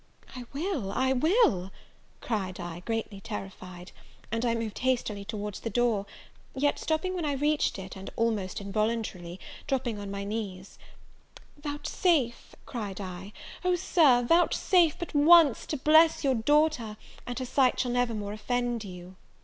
"I will, I will," cried I, greatly terrified; and I moved hastily towards the door: yet, stopping when I reached it, and, almost involuntarily, dropping on my knees, "Vouchsafe," cried I, "Oh, Sir, vouchsafe but once to bless your daughter, and her sight shall never more offend you!"